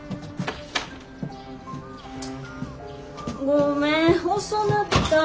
ごめん遅なった。